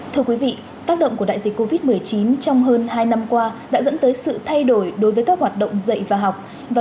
thưa quý vị tác động của đại dịch covid một mươi chín trong hơn hai năm qua đã dẫn tới sự thay đổi đối với các quốc gia